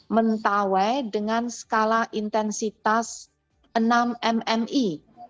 mentawai dengan skala intensitas enam mmi